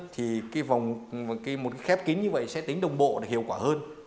thì cái vòng cái một cái khép kín như vậy sẽ tính đồng bộ hiệu quả hơn